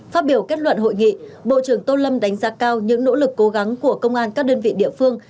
phát biểu kết luận hội nghị bộ trưởng tô lâm đánh giá cao những nỗ lực cố gắng của công an các đơn vị địa phương